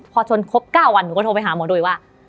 พอชนครบ๙วันหนูก็โทรไปหาหมอโดยว่า